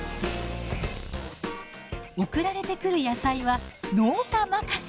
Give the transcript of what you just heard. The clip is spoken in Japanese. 送られてくる野菜は農家任せ。